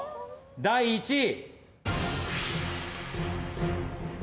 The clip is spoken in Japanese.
第１位。